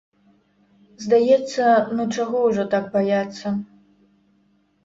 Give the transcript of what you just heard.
Здаецца, ну чаго ўжо так баяцца?